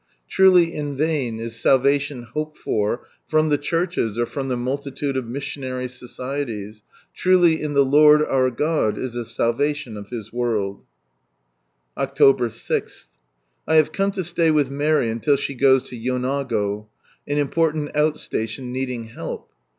Truly ~ in vain is salvation hoped for from the churches, or from the multitude of missionary societies, truly in the Lord our God is the salvation of His world I October 6.— I i stay with Mary, until she goes to Vonago, an important out station needing help.